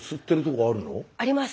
あります。